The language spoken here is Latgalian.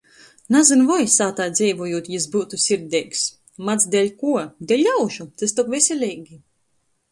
Nazyn voi, sātā dzeivojūt, jis byutu sirdeigs... mads deļkuo? Deļ ļaužu! Tys tok veseleigi!